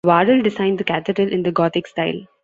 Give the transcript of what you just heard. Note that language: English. Wardell designed the cathedral in the Gothic style.